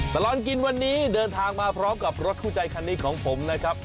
ตลอดกินวันนี้เดินทางมาพร้อมกับรถคู่ใจคันนี้ของผมนะครับ